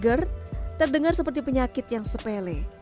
gerd terdengar seperti penyakit yang sepele